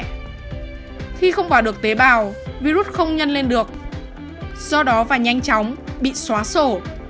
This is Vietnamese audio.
khi không bỏ được tế bào virus không nhân lên được do đó và nhanh chóng bị xóa sổ